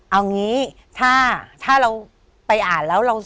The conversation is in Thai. เอางี้ถ้าเราไปอ่านแล้ว